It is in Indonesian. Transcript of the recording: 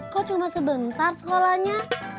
kau cuma sebentar sekolahnya